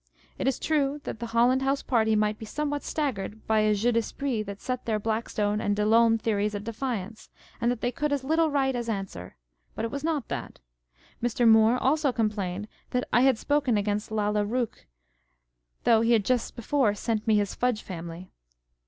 It is true, the Holland House party might be somewhat staggered by a jeu d' esprit that set their Blackstone and De Lolme theories at defiance, and that they could as little write as answer. But it was not that. Mr. Moore also com plained that u I had spoken against Lalla Rookh" though he had just before sent me his Fudge Family.